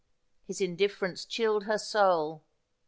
His indifference chilled her soul.